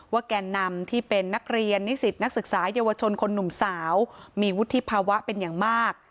แกนนำที่เป็นนักเรียนนิสิตนักศึกษาเยาวชนคนหนุ่มสาวมีวุฒิภาวะเป็นอย่างมาก